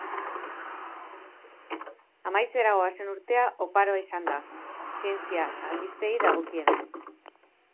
Amaitzera goazen urtea oparoa izan da zientzia albisteei dagokienez.